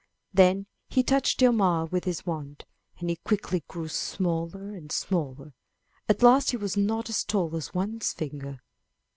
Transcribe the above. Then he touched Hjalmar with his wand, and he quickly grew smaller and smaller; at last he was not as tall as one's finger.